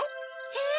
え？